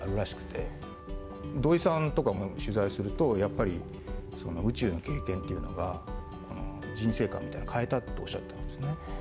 土井さんとかも取材をするとやっぱり宇宙の経験っていうのが人生観みたいなのを変えたっておっしゃってますね。